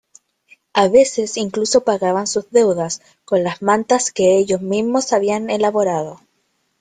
A veces incluso pagaban sus deudas con las mantas que ellos mismos habían elaborado.